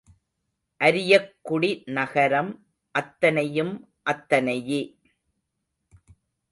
அரியக்குடி நகரம் அத்தனையும் அத்தனையே.